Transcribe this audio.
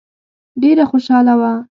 ډېره خوشاله وه.